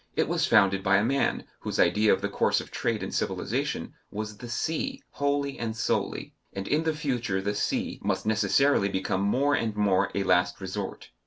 It was founded by a man whose idea of the course of trade and civilization was the sea wholly and solely, and in the future the sea must necessarily become more and more a last resort.